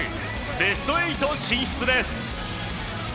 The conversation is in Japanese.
ベスト８進出です。